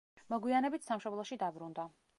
მოგვიანებით სამშობლოში დაბრუნდა.